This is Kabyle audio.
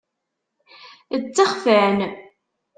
Ttexfan.